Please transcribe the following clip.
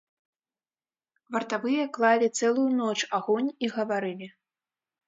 Вартавыя клалі цэлую ноч агонь і гаварылі.